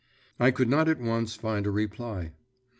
I could not at once find a reply.